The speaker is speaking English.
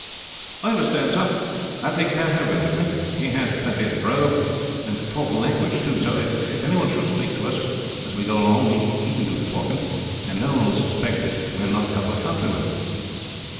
"I understand, sir. I will take Pat Hogan with me; he has plenty of the brogue, and can talk the language too. So if any one should speak to us as we go along he can do the talking, and no one will suspect that we are not a couple of countrymen."